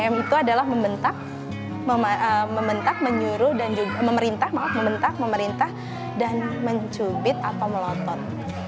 m itu adalah membentak menyuruh dan juga memerintah maaf membentak memerintah dan mencubit atau melotot